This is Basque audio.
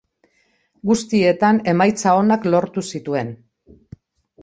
Guztietan emaitza onak lortu zituen.